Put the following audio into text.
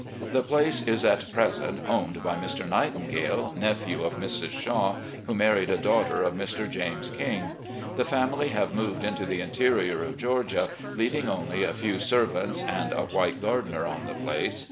The place is at present owned by Mr. Nightingale, nephew of Mrs. Shaw, who married a daughter of Mr. James King. The family have moved into the interior of Georgia, leaving only a few servants and a white gardener on the place.